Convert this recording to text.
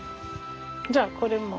じゃあこれも。